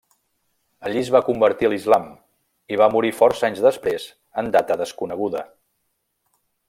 Allí es va convertir a l'islam i va morir força anys després en data desconeguda.